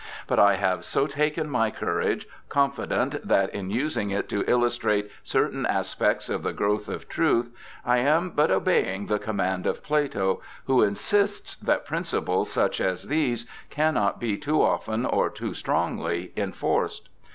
But I have so taken my courage, confident that in using it to illustrate certain aspects of the growth of truth I am but obeying the command of Plato, who insists that principles such as these cannot be too often or too strongly enforced.